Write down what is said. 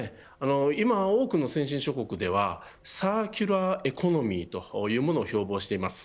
今、多くの先進諸国ではサーキュラーエコノミーというものを標ぼうしています。